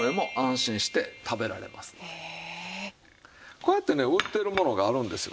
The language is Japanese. こうやってね売ってるものがあるんですよ。